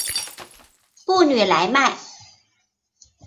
布吕莱迈。